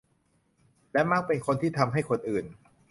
และมักเป็นคนที่ทำให้คนอื่น